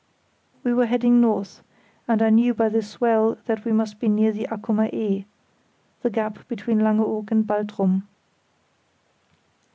We were heading north, and I knew by the swell that we must be near the Accumer Ee, the gap between Langeoog and Baltrum.